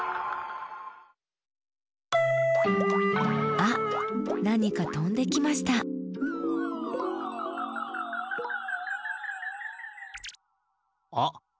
あっなにかとんできましたあっきって！